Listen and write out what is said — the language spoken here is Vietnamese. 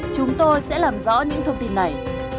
chúng tôi sẽ làm rõ những thông tin này